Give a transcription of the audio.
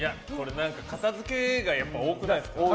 片付けが多くないですか？